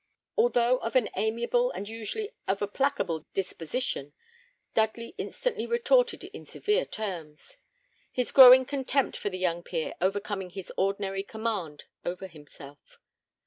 Although of an amiable, and usually of a placable disposition, Dudley instantly retorted in severe terms: his growing contempt for the young peer overcoming his ordinary command over himself.